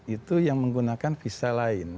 itu yang menggunakan visa lain